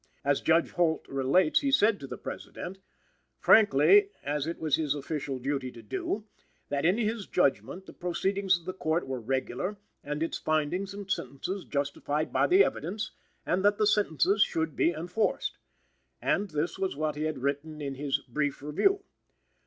As Judge Holt relates, he said to the President, "frankly, as it was his official duty to do," that in his judgment "the proceedings of the Court were regular, and its findings and sentences justified by the evidence, and that the sentences should be enforced." And this was what he had written in his "Brief Review."